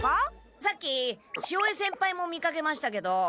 さっき潮江先輩も見かけましたけど。